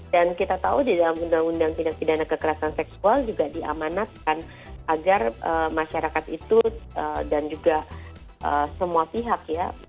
dan kita tahu di dalam undang undang tindak pidana kekerasan seksual juga diamanatkan agar masyarakat itu dan juga semua pihak ya